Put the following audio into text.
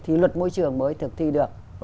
thì luật môi trường mới thực thi được